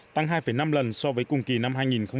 tăng hai năm lần so với cùng kỳ năm hai nghìn một mươi tám